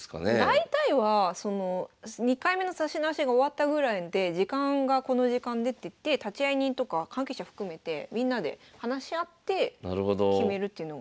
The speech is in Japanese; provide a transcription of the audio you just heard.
大体は２回目の指し直しが終わったぐらいで時間がこの時間でっていって立会人とか関係者含めてみんなで話し合って決めるっていうのがある。